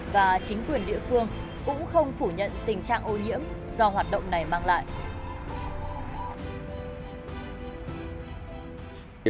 và chính quyền địa phương cũng không phủ nhận tình trạng ô nhiễm do hoạt động này mang lại